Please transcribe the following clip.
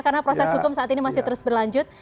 karena proses hukum saat ini masih terus berlanjut